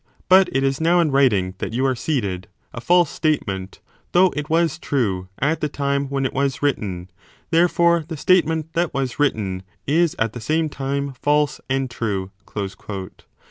But it is now in writing that you are seated a false statement, though it was true at the time when it was written : therefore the statement that was written is at the same time false and true.